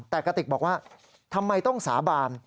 แต่กระติกบอกว่าทำไมต้องสาบาน